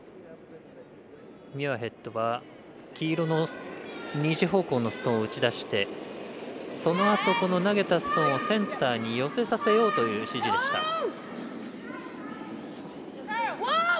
ミュアヘッドが黄色の２時方向のストーンを打ち出してそのあと投げたストーンをセンターに寄せさせようという指示でした。